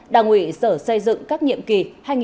đảng ủy sở xây dựng các nhiệm kỳ